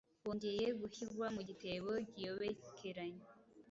Bongeye guhyirwa mu gitebo giobekeranye